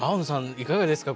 いかがですか？